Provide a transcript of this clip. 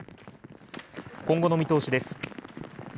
今後の見通しです。